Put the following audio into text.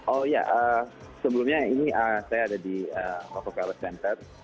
oh ya sebelumnya ini saya ada di local center